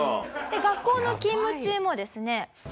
で学校の勤務中もですね